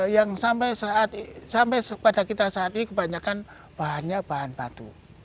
yang sampai saat sampai pada kita saat ini kebanyakan bahannya bahan batu